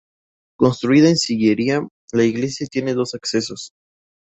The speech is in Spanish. Construida en sillería, la iglesia tiene dos accesos.